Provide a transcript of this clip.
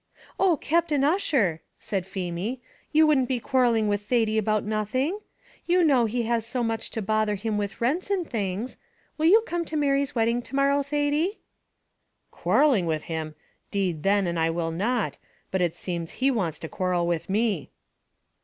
"Oh, Captain Ussher!" said Feemy, "you wouldn't be quarrelling with Thady about nothing? You know he has so much to bother him with the rents and things. Will you come to Mary's wedding to morrow, Thady?" "Quarrelling with him! 'Deed then and I will not, but it seems he wants to quarrel with me."